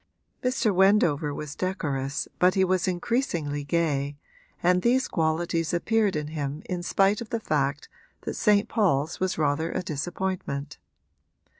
Mr. Wendover was decorous but he was increasingly gay, and these qualities appeared in him in spite of the fact that St. Paul's was rather a disappointment.